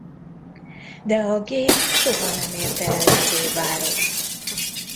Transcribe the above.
De a gép soha nem érte el a fővárost.